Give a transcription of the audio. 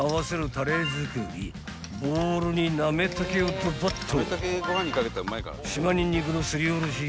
［ボウルになめ茸をドバッと］